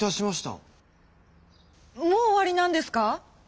もう終わりなんですか？